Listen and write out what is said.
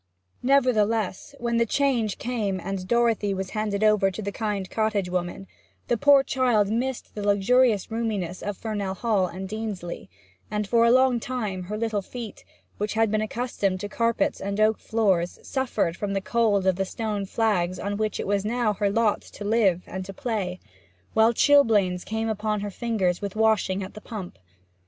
Nevertheless, when the change came, and Dorothy was handed over to the kind cottage woman, the poor child missed the luxurious roominess of Fernell Hall and Deansleigh; and for a long time her little feet, which had been accustomed to carpets and oak floors, suffered from the cold of the stone flags on which it was now her lot to live and to play; while chilblains came upon her fingers with washing at the pump.